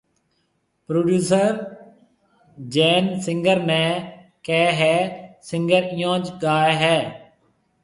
پروڊيوسر جين سنگر ني ڪي ھيَََ سنگر ايئونج گاوي ھيَََ